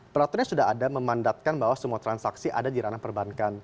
peraturannya sudah ada memandatkan bahwa semua transaksi ada di ranah perbankan